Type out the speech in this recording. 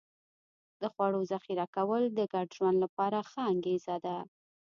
د خوړو ذخیره کول د ګډ ژوند لپاره ښه انګېزه ده.